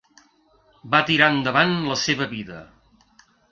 Va tirar endavant la seva vida.